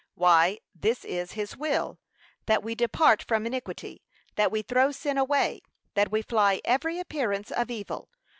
Why, this is his will, 'that we depart from iniquity, that we throw sin away; that we fly every appearance of evil.'